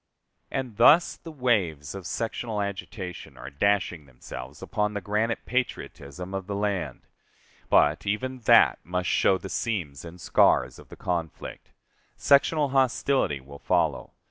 And thus the waves of sectional agitation are dashing themselves against the granite patriotism of the land. But even that must show the seams and scars of the conflict. Sectional hostility will follow.